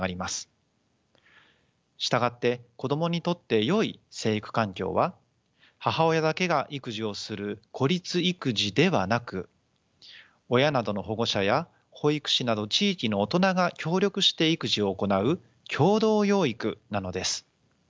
従って子どもにとってよい成育環境は母親だけが育児をする孤立育児ではなく親などの保護者や保育士など地域の大人が協力して育児を行う共同養育なのです。